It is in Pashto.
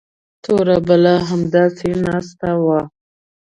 توره بلا همداسې ناسته وه.